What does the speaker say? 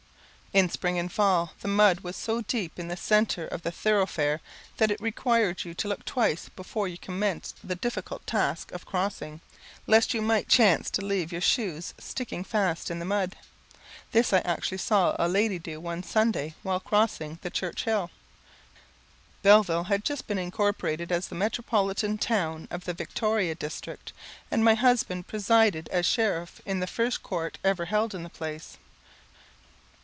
In spring and fall the mud was so deep in the centre of the thoroughfare that it required you to look twice before you commenced the difficult task of crossing, lest you might chance to leave your shoes sticking fast in the mud. This I actually saw a lady do one Sunday while crossing the church hill. Belleville had just been incorporated as the metropolitan town of the Victoria District, and my husband presided as Sheriff in the first court ever held in the place.